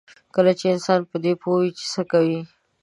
کله چې انسان په دې پوه وي چې څه کوي.